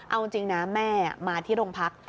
เอาจริงนะแม่มาที่โรงพัก